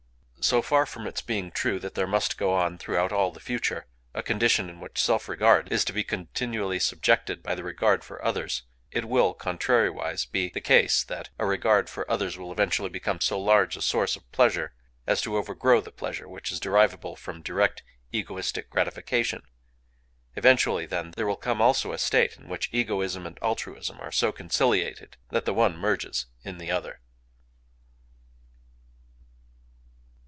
"So far from its being true that there must go on, throughout all the future, a condition in which self regard is to be continually subjected by the regard for others, it will, contrari wise, be the case that a regard for others will eventually become so large a source of pleasure as to overgrow the pleasure which is derivable from direct egoistic gratification... Eventually, then, there will come also a state in which egoism and altruism are so conciliated that the one merges in the other."